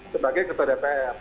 sebagai ketua dpr